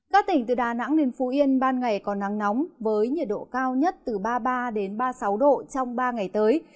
các tỉnh từ đà nẵng đến phú yên ban ngày có nắng nóng với nhiệt độ cao nhất từ ba mươi ba ba mươi sáu độ trong ba ngày tới